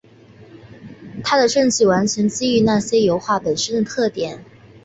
他的证据完全基于那些油画本身的特点。